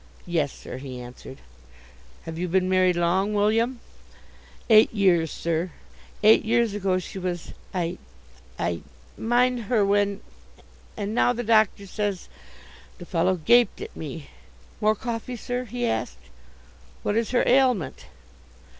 "Yes, sir," he answered. "Have you been married long, William?" "Eight years, sir. Eight years ago she was I I mind her when and now the doctor says " The fellow gaped at me. "More coffee, sir?" he asked. "What is her ailment?"